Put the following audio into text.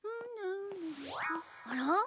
あら？